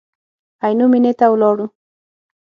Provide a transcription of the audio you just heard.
عینو مېنې ته ولاړو.